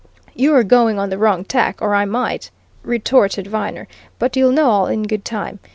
"You're going on the wrong tack, or I might," retorted Viner. "But you'll know all in good time.